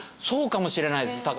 そうかもしれないです。